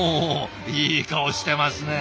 いい顔してますね。